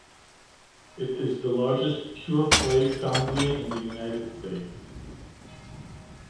It is the largest pure-play foundry in the United States.